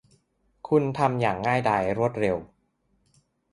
คุณทำอย่างง่ายดายรวดเร็ว